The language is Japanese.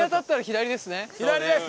左ですね。